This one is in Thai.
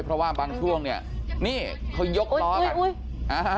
เพราะว่าบางช่วงเขายกล้อกัน